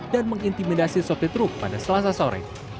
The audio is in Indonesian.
dan mengintimidasi sopi truk pada selasa sore